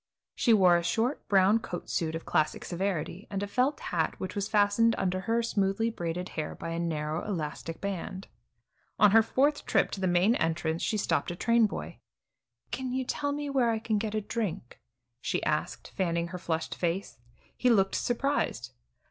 She wore a short, brown coat suit of classic severity, and a felt hat which was fastened under her smoothly braided hair by a narrow elastic band. On her fourth trip to the main entrance she stopped a train boy. "Can you tell me where I can get a drink?" she asked, fanning her flushed face. He looked surprised.